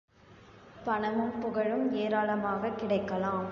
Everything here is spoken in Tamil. பணமும் புகழும் ஏராளமாகக் கிடைக்கலாம்.